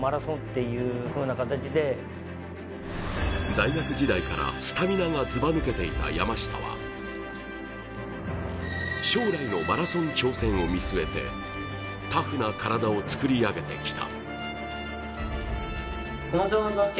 大学時代からスタミナがずば抜けていた山下は将来のマラソン挑戦を見据えて、タフな体を作り上げてきた。